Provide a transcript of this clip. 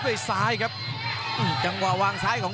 โอ้โหซ้าย